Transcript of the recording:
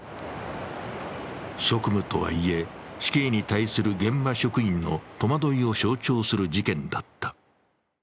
職務とはいえ、死刑に対する現場職員の戸惑いを象徴する事件だった。